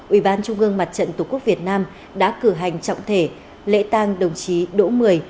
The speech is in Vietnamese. ủy ban trung ương mặt trận tổ quốc việt nam đã cử hành trọng thể lễ tang đồng chí đỗ mười